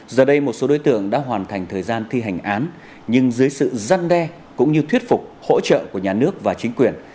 giờ đây một số đối tượng đã hoàn thành thời gian thi hành án nhưng dưới sự răn đe cũng như thuyết phục hỗ trợ của nhà nước và chính quyền